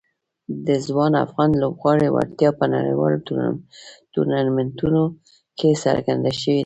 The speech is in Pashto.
د ځوان افغان لوبغاړو وړتیا په نړیوالو ټورنمنټونو کې څرګنده شوې ده.